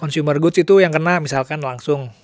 consumer goods itu yang kena misalkan langsung